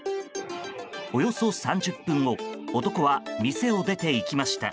およそ３０分後男は店を出ていきました。